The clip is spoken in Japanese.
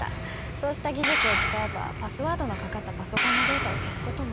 そうした技術を使えばパスワードの掛かったパソコンのデータを消すことも？